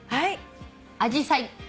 アジサイ。